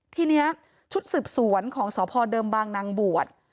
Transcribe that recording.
ทีนี้ชุดสืบสวนของสพเดิมบางนางบวช